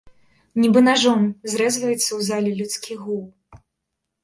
Нібы нажом зрэзваецца ў зале людскі гул.